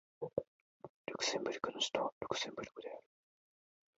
ルクセンブルクの首都はルクセンブルクである